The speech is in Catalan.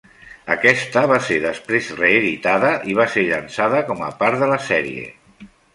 Aquesta va ser després reeditada i va ser llançada com a part de la sèrie.